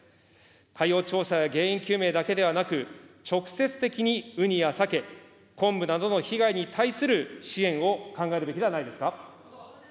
海洋調査や原因究明だけではなく、直接的にウニやサケ、昆布などの被害に対する支援を考えるべきではないですか。